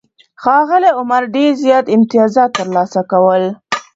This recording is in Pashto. ښاغلي عمر ډېر زیات امتیازات ترلاسه کول.